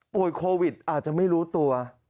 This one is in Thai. โควิดอาจจะไม่รู้ตัว